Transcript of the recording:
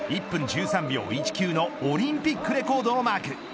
１分１３秒１９のオリンピックレコードをマーク。